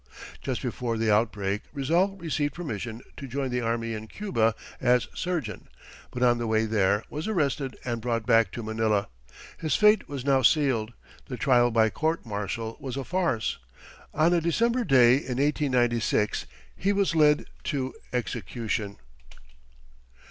Just before the outbreak, Rizal received permission to join the army in Cuba as surgeon, but on the way there was arrested and brought back to Manila. His fate was now sealed. The trial by court martial was a farce. On a December day in 1896 he was led to execution.